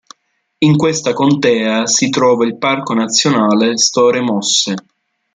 In questa contea si trova il Parco nazionale Store Mosse.